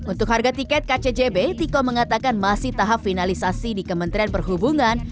untuk harga tiket kcjb tiko mengatakan masih tahap finalisasi di kementerian perhubungan